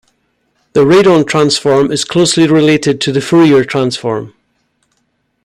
The Radon transform is closely related to the Fourier transform.